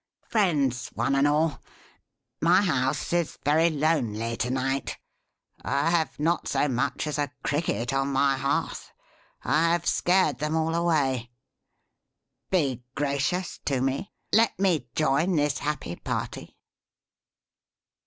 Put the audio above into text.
Friends, one and all, my house is very lonely to night. I have not so much as a Cricket on my Hearth. I have scared them all away. Be gracious to me; let me join this happy party!"